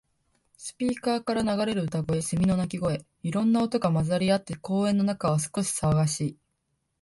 スピーカーから流れる歌声、セミの鳴き声。いろんな音が混ざり合って、公園の中は少し騒がしい。